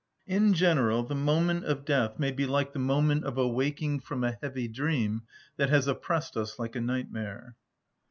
In general the moment of death may be like the moment of awaking from a heavy dream that has oppressed us like a nightmare.